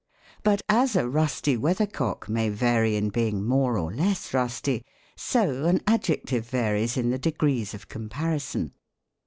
But as a rusty weathercock may vary in being more or less rusty, so an adjective varies in the degrees of comparison.